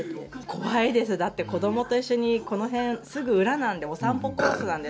怖いです、だって子どもと一緒にこの辺、すぐ裏なんで、お散歩コースなんです。